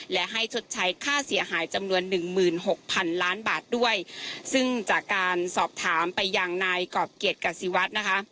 และให้ชดใช้ค่าเสียหายจำนวนหนึ่งหมื่นหกพันล้านบาทด้วยซึ่งจากการสอบถามไปอย่างนายกรอบเกียรติกษิวัฒน์นะคะ